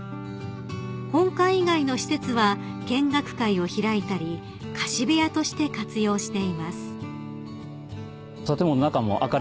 ［本館以外の施設は見学会を開いたり貸部屋として活用しています］